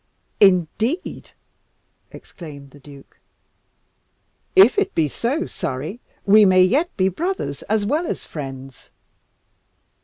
"Indeed!" exclaimed the duke. "If it be so, Surrey, we may yet be brothers as well as friends."